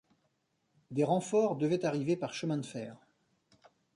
Des renforts devaient arriver par chemin de fer.